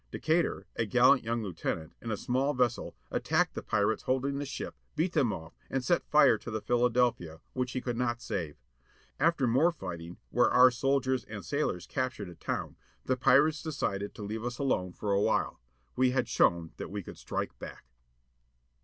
Decatur, a gallant young lieutenant, in a small vessel, attacked the pirates holding the ship, beat them off, and set fire to the Philadelphia, which he could not save. After more fighting, where our sol diers and ^^^^^ sailors captured a town, the pirates decided to leave us alone for a .iilH^^^^iH while. We had shown that we could strike back.